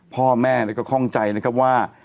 พ่อแม่ก็คล่องใจนะครับว่า